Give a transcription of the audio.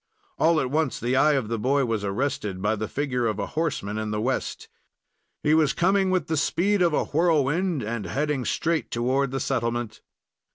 All at once the eye of the boy was arrested by the figure of a horseman in the west. He was coming with the speed of a whirlwind, and heading straight toward the settlement.